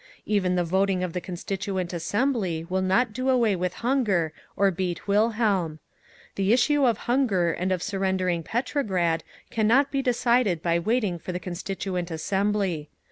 Even the voting of the Constituent Assembly will not do away with hunger, or beat Wilhelm…. The issue of hunger and of surrendering Petrograd cannot be decided by waiting for the Constituent Assembly.